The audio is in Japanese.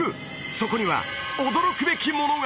そこには驚くべきものが！